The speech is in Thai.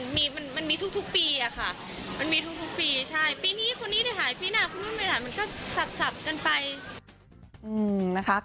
มีมันมีทุกปีอะค่ะมันมีทุกปีใช่ปีนี้คนนี้ได้หายปีหน้าคนนู้นไม่หายมันก็สับกันไปนะคะ